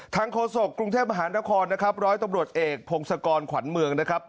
ทางโคศกกรุงเทพฯมหานครร้อยตรวจเอกพงศกรขวัญเมือง